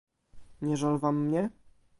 "Nie żal wam mnie?"